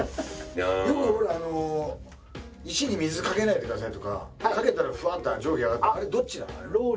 よくほら石に水かけないでくださいとかかけたらふわっと蒸気上がってあれどっちなの？